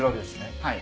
はい。